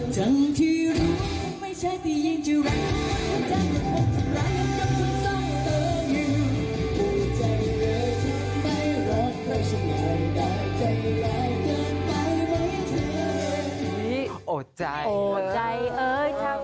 จนจำชิดฉันจะเจอ